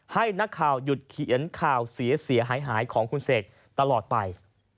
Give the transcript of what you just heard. ให้นักข่าวหยุดเขียนข่าวเสียหายของคุณเสกตลอดไป